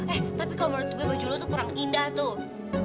eh tapi kalau menurut gue baju lo tuh kurang indah tuh